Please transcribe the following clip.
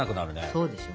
そうでしょ。